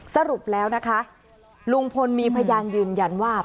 สรุปแล้วนะคะลุงพลมีพยานยืนยันว่า